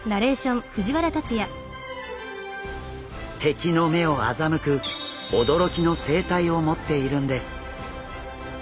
敵の目を欺く驚きの生態を持っているんです。